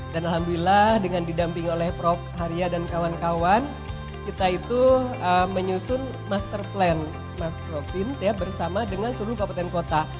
dan alhamdulillah dengan didamping oleh prof haria dan kawan kawan kita itu menyusun master plan smart province ya bersama dengan seluruh kabupaten kota